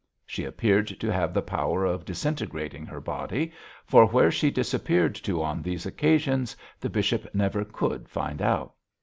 She appeared to have the power of disintegrating her body, for where she disappeared to on these occasions the bishop never could find out.